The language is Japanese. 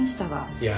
いや。